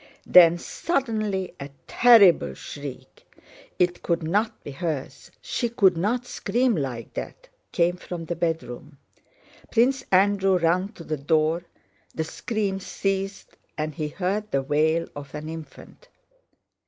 Then suddenly a terrible shriek—it could not be hers, she could not scream like that—came from the bedroom. Prince Andrew ran to the door; the scream ceased and he heard the wail of an infant.